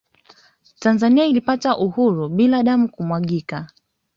Tanzania ilipata uhuru bila damu kumwagika